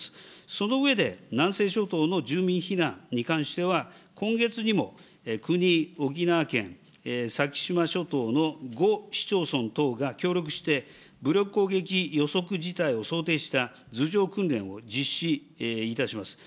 その上で、南西諸島の住民避難に関しては、今月にも国、沖縄県、先島諸島の５市町村等が協力して、武力攻撃予測事態を想定した頭上訓練を実施いたします。